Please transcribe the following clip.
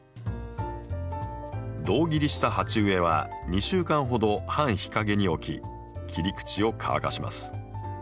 胴切りした鉢植えは２週間ほど半日陰に置き切り口を乾かします。